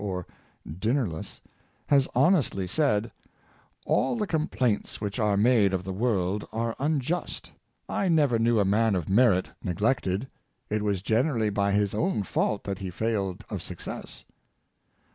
^ or Dinnerless, has honestly said, *' All the complaints which are made of the world are unjust; I never knew a man of merit neglected; it was generally by his own fault that he failed of success."